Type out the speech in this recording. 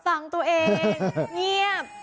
ฟังตัวเองเงียบ